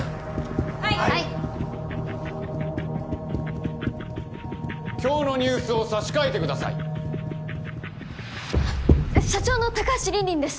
はい今日のニュースを差し替えてくださいあっ社長の高橋凜々です